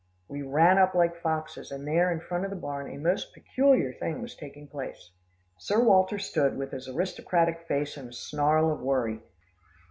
We ran up like foxes, and there in front of the barn a most peculiar thing was taking place. Sir Walter stood with his aristocratic face in a snarl of worry.